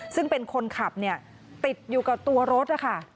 ซึ่งเป็นคนขับติดอยู่กับตัวรถ